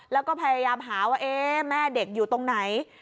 แล้วก็พยายามหาว่าแม่เด็กอยู่ตรงไหน